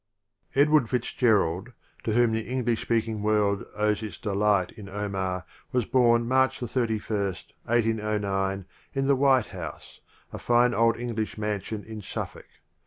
Edward FitzGerald, to whom the Eng lish speaking world owes its delight in Omar, was born March ji, /Sop, in the White House, a fine old English mansion in Suffolk.